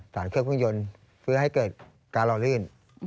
สารเครื่องเครื่องยนต์คือให้เกิดการรอลื่น